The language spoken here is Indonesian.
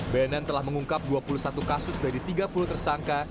bnn telah mengungkap dua puluh satu kasus dari tiga puluh tersangka